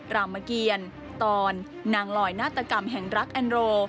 รามเกียรตอนนางลอยนาตกรรมแห่งรักแอนโร